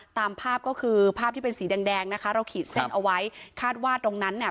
ตามภาพก็คือภาพที่เป็นสีแดงแดงนะคะเราขีดเส้นเอาไว้คาดว่าตรงนั้นเนี่ย